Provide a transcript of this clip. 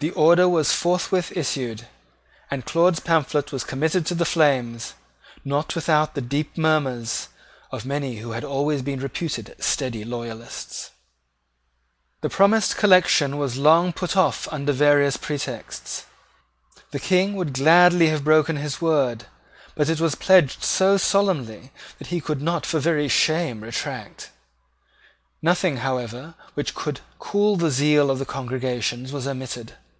The order was forthwith issued; and Claude's pamphlet was committed to the flames, not without the deep murmurs of many who had always been reputed steady loyalists. The promised collection was long put off under various pretexts. The King would gladly have broken his word; but it was pledged so solemnly that he could not for very shame retract. Nothing, however, which could cool the zeal of congregations was omitted.